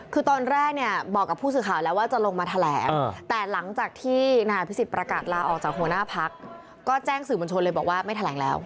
คือตอนแรกเนี่ยบอกกับผู้สื่อข่าวแล้วว่าจะลงมาแถลงแต่หลังจากที่นายอภิษฎประกาศลาออกจากหัวหน้าพักก็แจ้งสื่อมวลชนเลยบอกว่าไม่แถลงแล้ว